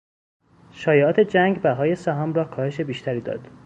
شایعات جنگ بهای سهام را کاهش بیشتری داد.